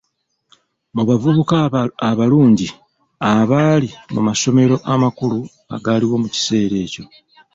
Mu bavubuka abalungi abaali mu masomero amakulu agaaliwo mu kiseera ekyo.